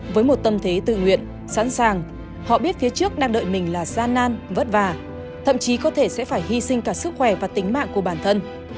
với một tâm thế tự nguyện sẵn sàng họ biết phía trước đang đợi mình là gian nan vất vả thậm chí có thể sẽ phải hy sinh cả sức khỏe và tính mạng của bản thân